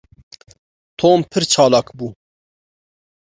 Tom pir çalak bû.